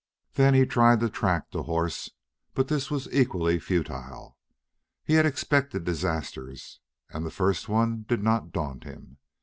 Then he tried to track the horse, but this was equally futile. He had expected disasters, and the first one did not daunt him.